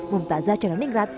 mumtazah canan ingrat daka